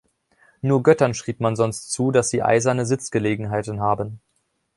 Nur Göttern schrieb man sonst zu, dass sie eiserne Sitzgelegenheiten haben.